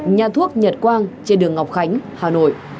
nhà thuốc nhật quang trên đường ngọc khánh hà nội